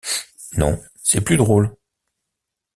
Non, c’est plus drôle.